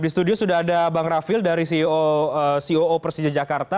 di studio sudah ada bang rafil dari ceo persija jakarta